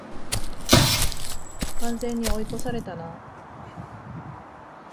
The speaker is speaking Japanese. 完全に追い越されたな